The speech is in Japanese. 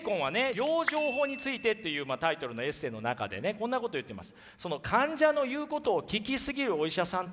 「養生法について」というタイトルのエッセーの中でねこんなこと言ってます。